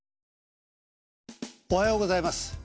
おはようございます。